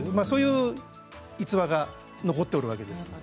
そういう逸話が残っておるわけです。